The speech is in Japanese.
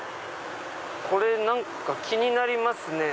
これ何か気になりますね。